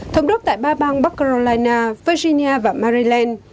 thống đốc tại ba bang bắc carolina virginia và maryland